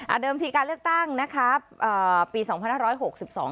เดิมทีการเลือกตั้งนะครับอ่าปีสองพันห้าร้อยหกสิบสอง